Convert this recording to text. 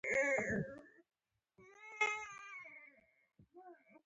دا هغه طبقې وې چې تر دې مخکې نه وې لکه واکمنې کورنۍ.